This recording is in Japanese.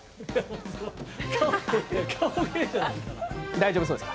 大丈夫そうですか？